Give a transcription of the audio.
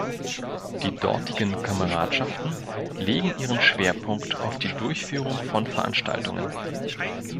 Die dortigen Kameradschaften legen ihren Schwerpunkt auf die Durchführung von Veranstaltungen.